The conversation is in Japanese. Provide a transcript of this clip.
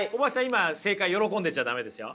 今正解喜んでちゃ駄目ですよ。